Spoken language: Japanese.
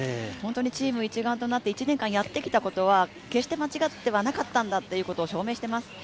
チーム一丸となって１年間やってきたことは決して間違ってはなかったことを証明しています。